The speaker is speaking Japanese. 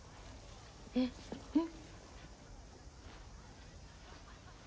えっ？えっ？